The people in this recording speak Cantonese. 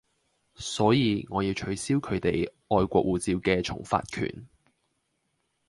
所以我要取消佢哋外國護照嘅重發權